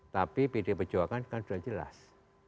tapi pdi perjuangan kan sudah jelas